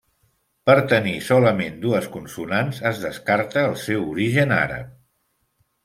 Per tenir solament dues consonants es descarta el seu origen àrab.